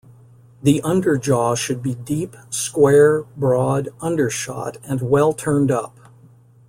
The under-jaw should be deep, square, broad, undershot, and well turned up.